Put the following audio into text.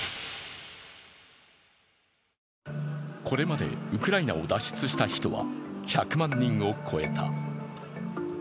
これまでウクライナを脱出した人は１００万人を超えた。